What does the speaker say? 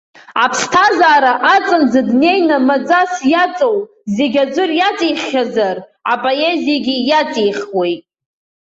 Аԥсҭазаара аҵанӡа днеины маӡас иаҵоу зегьы аӡәыр иаҵиххьазар, апоезиагьы иаҵихуеит.